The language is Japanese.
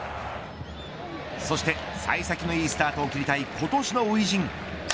そして、幸先のいいスタートを切りたい今年の初陣。